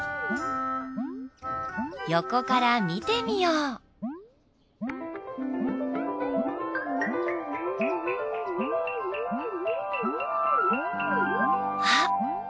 横から見てみようあっ